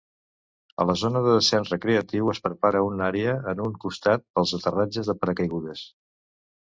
A les zones de descens recreatiu, es prepara una àrea en un costat pels aterratges de paracaigudes.